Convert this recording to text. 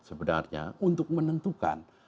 sebenarnya untuk menentukan